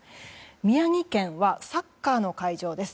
宮城県はサッカーの会場です。